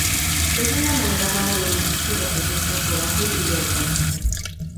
Es una amalgama de elementos que representan coraje y lealtad.